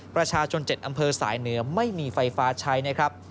ประชาชน๗อำเภอสายเหนือไม่มีไฟฟ้าใช้นะครับ